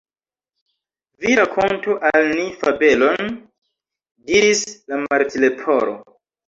"Vi rakontu al ni fabelon," diris la Martleporo.